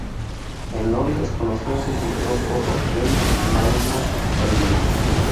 En Londres conoció a su futuro esposo John Maynard Keynes.